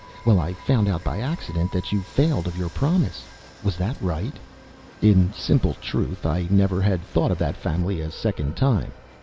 Well, I found out by accident that you failed of your promise. Was that right?" In simple truth, I never had thought of that family a second time!